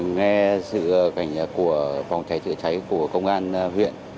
nghe sự cảnh của phòng cháy tự cháy của công an huyện